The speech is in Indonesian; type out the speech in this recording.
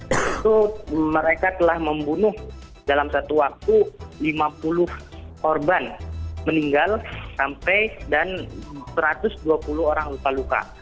itu mereka telah membunuh dalam satu waktu lima puluh korban meninggal sampai dan satu ratus dua puluh orang luka luka